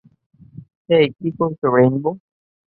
হেই, কি করছো রেইনবো?